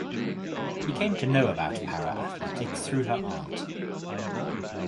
She came to know about Para Athletics through her aunt.